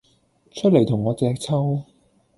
出黎同我隻揪!